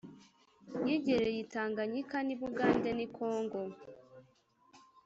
yigereye i tanganyika n'i bugande n'i kongo.